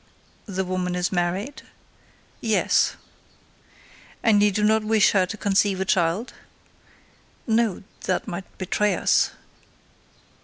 "The woman is married?" "Yes." "And you do not wish her to conceive a child?" "No; that might betray us."